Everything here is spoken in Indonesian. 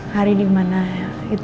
hari di mana hal haris ngomong dizer